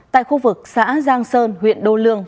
tại khu vực xã giang sơn huyện đô lưu